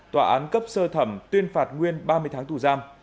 tòa án cấp sơ thẩm tuyên phạt nguyên ba mươi tháng tù giam